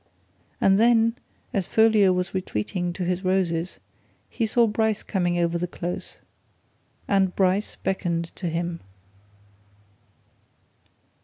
And then, as Folliot was retreating to his roses, he saw Bryce coming over the Close and Bryce beckoned to him.